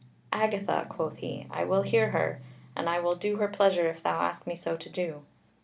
"Agatha," quoth he, "I will hear her, and I will do her pleasure if thou ask me so to do."